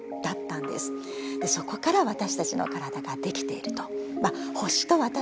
そこからわたしたちの体ができていると。